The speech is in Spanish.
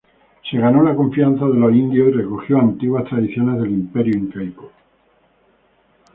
Se ganó la confianza de los indios y recogió antiguas tradiciones del Imperio incaico.